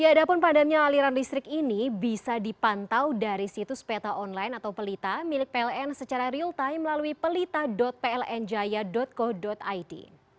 ya ada pun padamnya aliran listrik ini bisa dipantau dari situs peta online atau pelita milik pln secara real time melalui pelita plnjaya co id